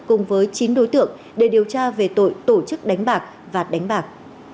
cùng với chín đối tượng để điều tra về tội tổ chức đánh bạc và đánh bạc